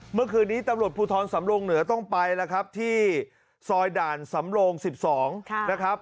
เมื่อคืนนี้ตำรวจภูทรสำรงเหนือต้องไปแล้วครับที่ซอยด่านสำโลง๑๒นะครับ